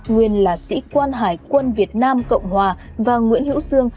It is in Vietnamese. nguyên là sĩ quan hải quân việt nam cộng hòa và nguyễn hữu sương